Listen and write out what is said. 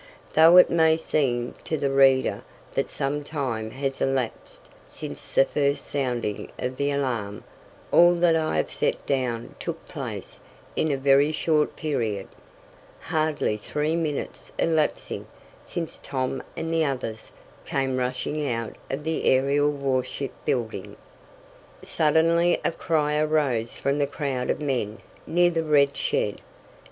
Though it may seem to the reader that some time has elapsed since the first sounding of the alarm, all that I have set down took place in a very short period hardly three minutes elapsing since Tom and the others came rushing out of the aerial warship building. Suddenly a cry arose from the crowd of men near the red shed.